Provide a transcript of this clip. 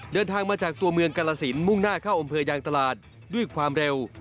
เดินทางมาจากตัวเมืองกาลสินมุ่งหน้าเข้าอำเภอยางตลาดด้วยความเร็ว